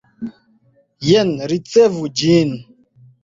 Jen ricevu ĝin!